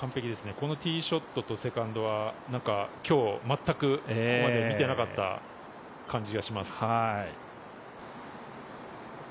このティーショットとセカンドは今日全くここまで見ていなかった感じがします。